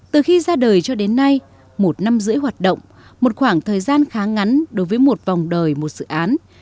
từ khi ra đời cho đến nay một năm rưỡi hoạt động một khoảng thời gian khá ngắn đối với một vòng đời một dự án